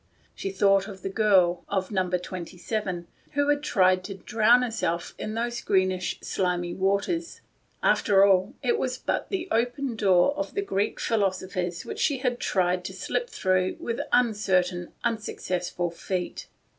She thought of the girl — of Number Twenty seven — who had tried to drown herself in those greenish, slimy waters. After all, it was but the open door of the Greek philosophers which she had tried to slip through with uncertain, unsuccess ful feet.